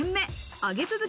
上げ続け